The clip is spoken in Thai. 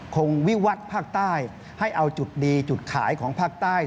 วิวัตรภาคใต้ให้เอาจุดดีจุดขายของภาคใต้